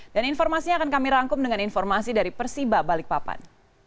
dan informasinya akan kami rangkum dengan informasi dari persiba balikpapan